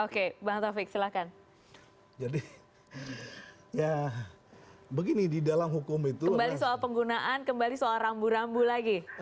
jadi begini bahwa kita bisa menggunakan pencemaran nama baik untuk menggugat media jadi ya begini di dalam hukum itu kembali soal penggunaan kembali soal rambu rambu lagi